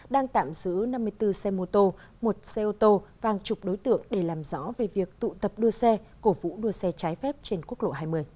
đang tạm giữ năm mươi bốn xe mô tô một xe ô tô và hàng chục đối tượng để làm rõ về việc tụ tập đua xe cổ vũ đua xe trái phép trên quốc lộ hai mươi